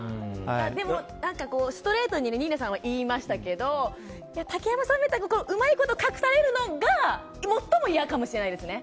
でも、ストレートに新名さんは言いましたけど竹山さんみたいにうまいこと隠されるのがもっとも嫌かもしれないですね。